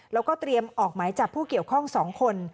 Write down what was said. แล้วก็เตรียมออกหมายจับผู้เกี่ยวข้อง๒คน